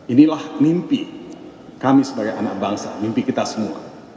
inilah mimpi kami sebagai anak bangsa mimpi kita semua